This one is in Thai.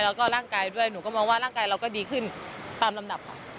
แล้วก็ร่างกายด้วยหนูก็มองว่าร่างกายเราก็ดีขึ้นตามลำดับค่ะ